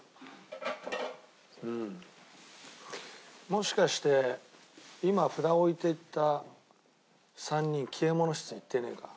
もしかして今札置いていった３人消え物室に行ってねえか？